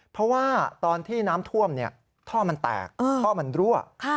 เพราะว่าตอนที่น้ำท่วมท่อมันแตกท่อมันรั่ว